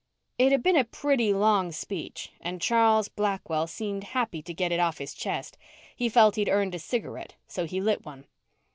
It had been a pretty long speech and Charles Blackwell seemed happy to get it off his chest. He felt he'd earned a cigarette so he lit one.